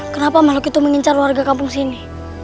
kenapa makhluk itu mengincar warga kampung sini